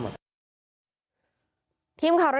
เมื่อวานแบงค์อยู่ไหนเมื่อวาน